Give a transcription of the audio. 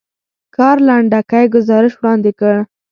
کار لنډکی ګزارش وړاندې کړ.